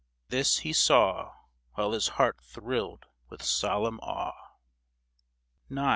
This he saw While his heart thrilled with solemn awe. IX.